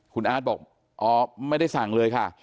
คุณอาร์ตบอกอ๋อไม่ได้สั่งเลยค่ะ